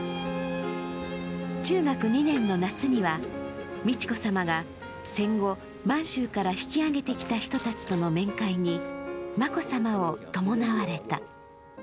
中学２年の夏には、美智子さまが戦後満州から引き揚げてきた人たちとの面会に眞子さまを伴われた。